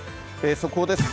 速報です。